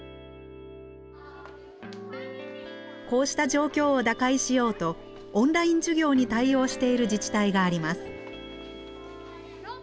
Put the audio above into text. こうした状況を打開しようとオンライン授業に対応している自治体があります。